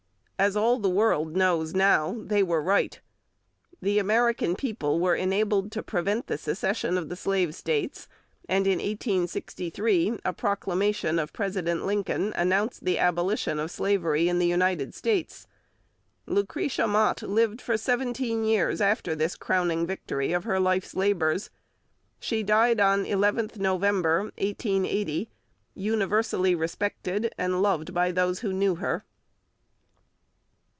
As all the world knows now, they were right. The American people were enabled to prevent the secession of the slave states; and in 1863 a proclamation of President Lincoln announced the Abolition of Slavery in the United States. Lucretia Mott lived for seventeen years after this crowning victory of her life's labours. She died on 11th November 1880, universally respected, and loved by those who knew her.